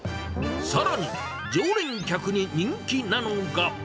さらに、常連客に人気なのが。